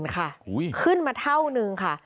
๕๐๐๐๐ค่ะขึ้นมาเท่านึงค่ะ